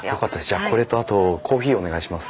じゃあこれとあとコーヒーお願いします。